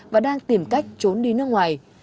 và đang tìm cách trốn đi nước ngoài